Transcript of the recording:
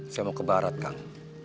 saya mau ke barat kang